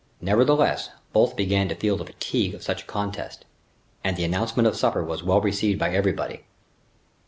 Nevertheless, both began to feel the fatigue of such a contest, and the announcement of supper was well received by everybody.